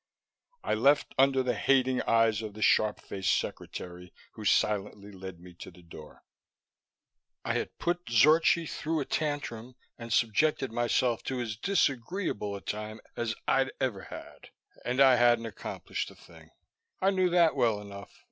I left under the hating eyes of the sharp faced secretary who silently led me to the door. I had put Zorchi through a tantrum and subjected myself to as disagreeable a time as I'd ever had. And I hadn't accomplished a thing. I knew that well enough.